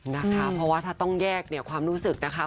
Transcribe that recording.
นะคะเพราะว่าถ้าต้องแยกเนี่ยความรู้สึกนะคะ